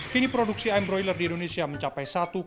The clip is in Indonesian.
kini produksi ayam broiler di indonesia mencapai